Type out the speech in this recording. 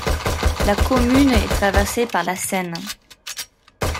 La commune est traversée par la Seine.